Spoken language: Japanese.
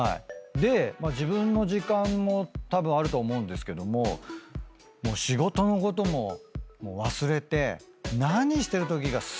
で自分の時間もたぶんあると思うんですけどももう仕事のことも忘れて。